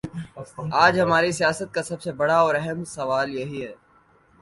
آج ہماری سیاست کا سب سے بڑا اور اہم سوال یہی ہے؟